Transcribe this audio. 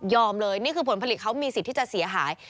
เลยนี่คือผลผลิตเขามีสิทธิ์ที่จะเสียหาย